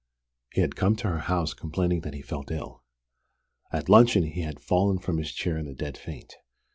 He had come to her house, complaining that he felt ill. At luncheon he had fallen from his chair in a dead faint.